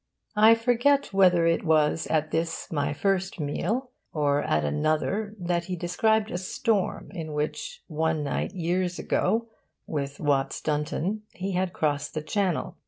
I forget whether it was at this my first meal or at another that he described a storm in which, one night years ago, with Watts Dunton, he had crossed the Channel.